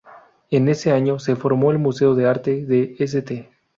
En ese año, se formó el Museo de Arte de St.